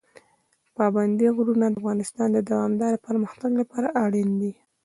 پابندی غرونه د افغانستان د دوامداره پرمختګ لپاره اړین دي.